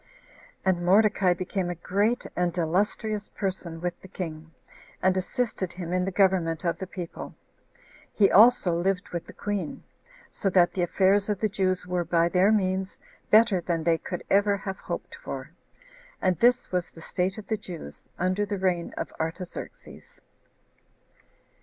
21 And Mordecai became a great and illustrious person with the king, and assisted him in the government of the people. He also lived with the queen; so that the affairs of the Jews were, by their means, better than they could ever have hoped for. And this was the state of the Jews under the reign of Artaxerxes.